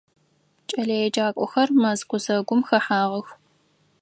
КӀэлэеджакӀохэр мэз гузэгум хэхьагъэх.